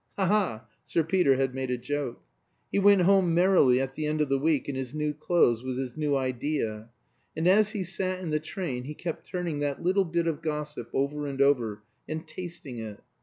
(Ha, ha! Sir Peter had made a joke.) He went home merrily at the end of the week in his new clothes with his new idea; and as he sat in the train he kept turning that little bit of gossip over and over, and tasting it.